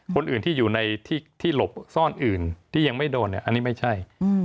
คนอื่นที่อยู่ในที่หลบซ่อนอื่นที่ยังไม่โดนอันนี้ไม่ใช่